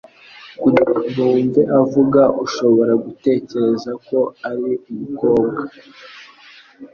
Kugira ngo wumve avuga ushobora gutekereza ko ari umukobwa